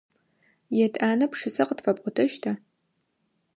Етӏанэ пшысэ къытфэпӏотэщта?